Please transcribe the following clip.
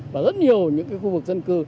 và rất nhiều những cái khu vực dân cư